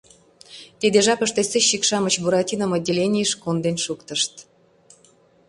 Тиде жапыште сыщик-шамыч Буратином отделенийыш конден шуктышт.